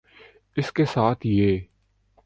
اس کے ساتھ یہ